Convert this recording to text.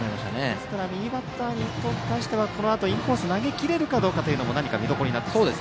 なので右バッターに対してこのあとインコースを投げきれるかも何か見どころになってきます。